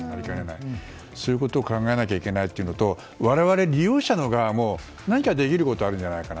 そういうことを考えなきゃいけないということと我々、利用者側も何かできることがあるんじゃないか。